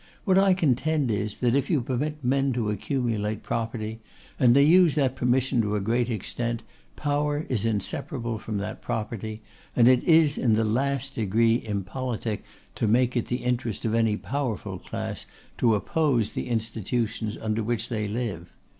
What I contend is, that if you permit men to accumulate property, and they use that permission to a great extent, power is inseparable from that property, and it is in the last degree impolitic to make it the interest of any powerful class to oppose the institutions under which they live.